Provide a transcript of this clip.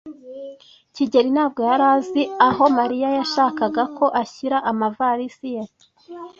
kigeli ntabwo yari azi aho Mariya yashakaga ko ashyira amavalisi ye.